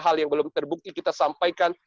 hal yang belum terbukti kita sampaikan